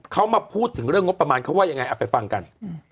เขามาพูดถึงเรื่องงบประมาณเขาว่ายังไงเอาไปฟังกัน